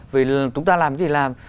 vì chúng ta làm gì thì làm